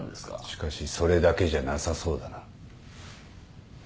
しかしそれだけじゃなさそうだな。